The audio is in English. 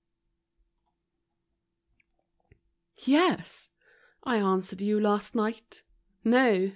" "W'ES !" I answered you last night; " No